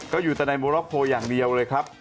ก็อยู่แต่ในโมรอคโพลอย่างเดียวเลยครับ